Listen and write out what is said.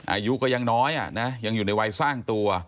อายุก็ยังน้อยอ่ะนะยังอยู่ในวัยสร้างตัว